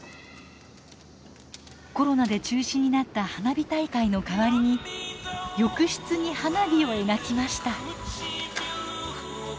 コロナで中止になった花火大会の代わりに浴室に花火を描きました。